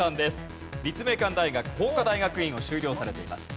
立命館大学法科大学院を修了されています。